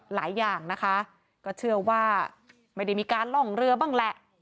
หลายอย่างนะคะก็เชื่อว่าไม่ได้มีการล่องเรือบ้างแหละ